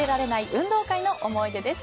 運動会の思い出です。